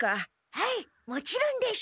はいもちろんです。